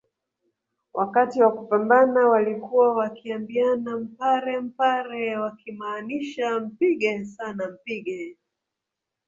Wakati wa kupambana walikuwa wakiambiana mpare mpare wakimaanisha mpige sana mpige